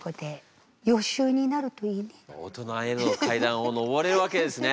大人への階段を上れるわけですね。